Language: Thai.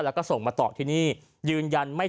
และส่งมาต่อที่นี่